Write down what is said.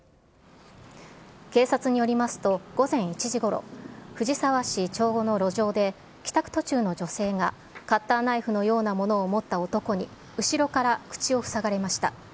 警察によりますと、午前１時ごろ、藤沢市長後の路上で、帰宅途中の女性が、カッターナイフのようなものを持った男に後ろから口を塞がれました。